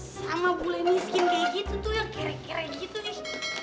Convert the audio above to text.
sama bule miskin kayak gitu tuh yang kere kere gitu nih